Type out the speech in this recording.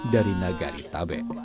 dari nagari tabe